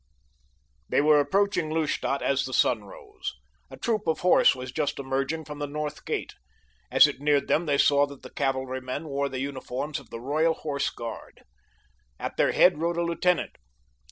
They were approaching Lustadt as the sun rose. A troop of horse was just emerging from the north gate. As it neared them they saw that the cavalrymen wore the uniforms of the Royal Horse Guard. At their head rode a lieutenant.